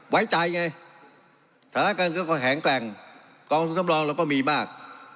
ไว้ใจไงสถานการณ์ก็แข็งแกร่งกองทุนสำรองเราก็มีมาก